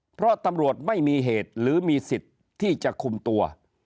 เพราะตำรวจไม่มีเหตุหรือมีสิทธิ์ที่จะคุมตัว